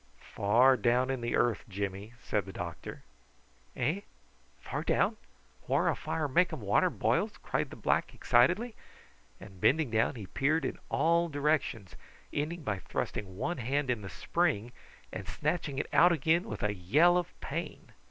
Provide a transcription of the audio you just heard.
"Far down in the earth, Jimmy," said the doctor. "Eh? Far down? Whar a fire makum water boils?" cried the black excitedly; and bending down he peered in all directions, ending by thrusting one hand in the spring and snatching it out again with a yell of pain.